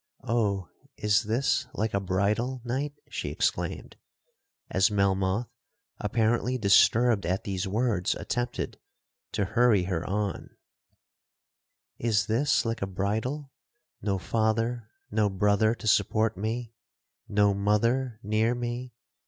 Oh, is this like a bridal night?' she exclaimed, as Melmoth, apparently disturbed at these words, attempted to hurry her on—'Is this like a bridal? No father, no brother, to support me!—no mother near me!